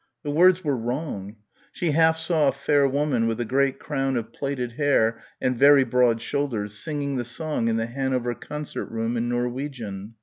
The words were wrong. She half saw a fair woman with a great crown of plaited hair and very broad shoulders singing the song in the Hanover concert room in Norwegian.